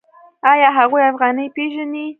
آیا هغوی افغانۍ پیژني؟